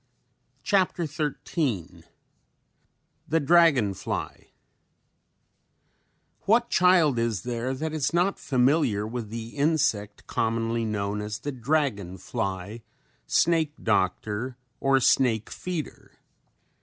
CHAPTER XIII THE DRAGON FLY What child is there that is not familiar with the insect commonly known as the dragon fly, snake doctor or snake feeder?